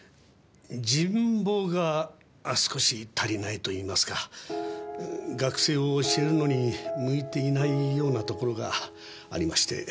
人望が少し足りないといいますか学生を教えるのに向いていないようなところがありまして。